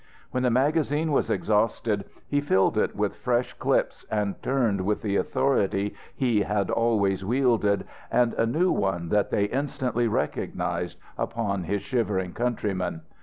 When the magazine was exhausted he filled it with fresh clips and turned with the authority he had always wielded, and a new one that they instantly recognized, upon his shivering countrymen.